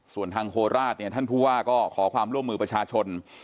ส่วนทางโคราชเนี่ยท่านผู้ว่าก็ขอความร่วมมือประชาชน